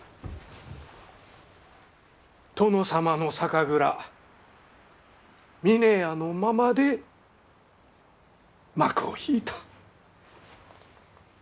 殿様の酒蔵峰屋のままで幕を引いた。